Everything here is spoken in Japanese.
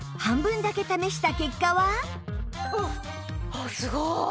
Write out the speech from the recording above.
あっすごい！